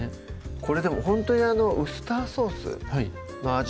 これでもほんとにあのウスターソースの味